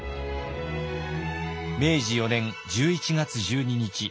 明治４年１１月１２日。